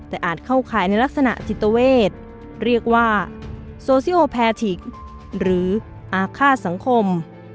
แต่อาจเข้าข่ายในลักษณะจิตเวทเรียกว่าโซซิโอแพทิกหรืออาฆาตสังคม